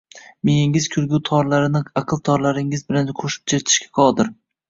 Miyangiz kulgu torlarini aql torlariningiz bilan qo'shib chertishga qodir!